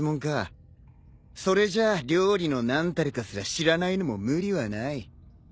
それじゃ料理の何たるかすら知らないのも無理はない。